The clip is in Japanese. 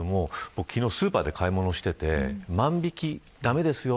昨日スーパーで買い物していて万引き駄目ですよ。